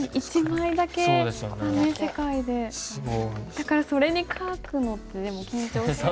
だからそれに書くのってでも緊張しますよね。